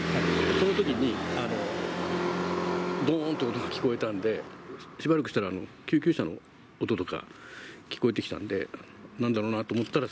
そのときに、どーんと音が聞こえたんで、しばらくしたら救急車の音とか聞こえてきたんで、なんだろうなと思ったら。